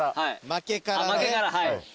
負けからね。